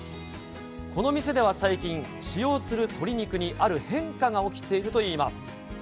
この店では最近、使用する鶏肉にある変化が起きているといいます。